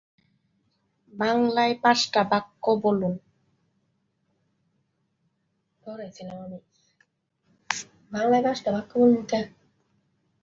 মধ্য এশিয়ার সর্বাপেক্ষা ঘনবসতিপূর্ণ দেশ হিসেবে উজবেকিস্তানের অবস্থান।